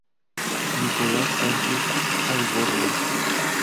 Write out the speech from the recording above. Nicolás Sánchez Albornoz.